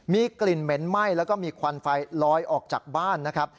มีกลิ่นเหม็นไหม้แล้วก็มีควันไฟลอยออกจากบ้านนะครับ